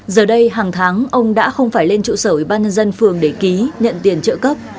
giờ đây hàng tháng ông đã không phải lên trụ sở ủy ban nhân dân phường để ký nhận tiền trợ cấp